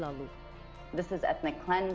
saat ia diwawancari cnn international mei lalu